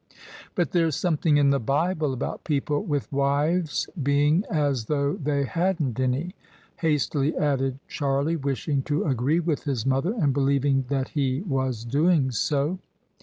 " But there's something in the Bible about people with wives being as though they hadn't any," hastily added Charlie, wishing to agree with his mother and believing that he was doing so.